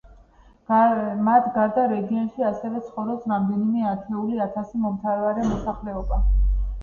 მათ გარდა რეგიონში ასევე ცხოვრობს რამდენიმე ათეული ათასი მომთაბარე მოსახლეობა.